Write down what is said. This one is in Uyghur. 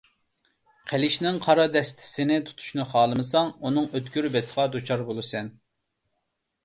قىلىچنىڭ قارا دەستىسىنى تۇتۇشنى خالىمىساڭ، ئۇنىڭ ئۆتكۈر بىسىغا دۇچار بولىسەن!